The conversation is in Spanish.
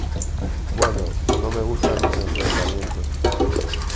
Bueno... No me gustan los enfrentamientos .